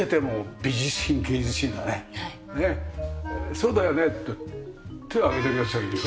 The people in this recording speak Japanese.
「そうだよね」って手上げてるヤツがいるよ。